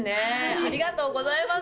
ありがとうございます。